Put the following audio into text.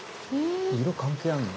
色関係あるんだ。